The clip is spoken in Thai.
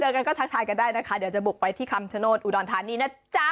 กันก็ทักทายกันได้นะคะเดี๋ยวจะบุกไปที่คำชโนธอุดรธานีนะจ๊ะ